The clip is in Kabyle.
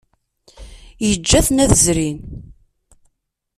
Yeǧǧa-ten ad zrin.